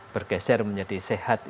bergeser menjadi sehat